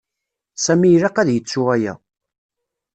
Sami ilaq ad yettu aya.